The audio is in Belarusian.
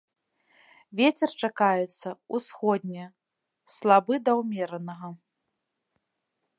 Вецер чакаецца ўсходні слабы да ўмеранага.